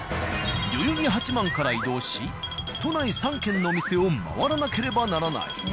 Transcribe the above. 代々木八幡から移動し都内３軒の店を回らなければならない。